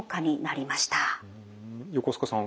横須賀さん